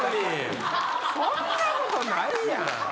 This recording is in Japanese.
そんなことないやん。